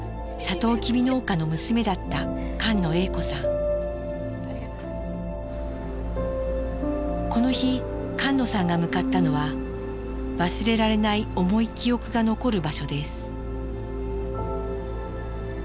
とうきび農家の娘だったこの日菅野さんが向かったのは忘れられない重い記憶が残る場所です。